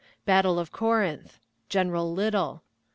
Battle of Corinth. General Little.